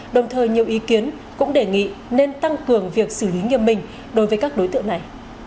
đồng thời nhiều ý kiến cũng đề nghị nên tăng cường việc xử lý nghiêm minh đối với các đối tượng này